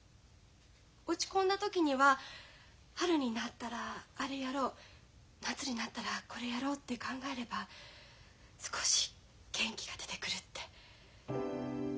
落ち込んだ時には春になったらあれやろう夏になったらこれやろうって考えれば少し元気が出てくるって。